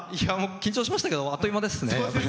緊張しましたけどあっという間ですね。